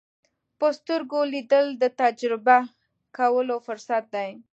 په سترګو لیدل د تجربه کولو فرصت دی